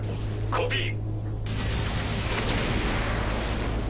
コピー。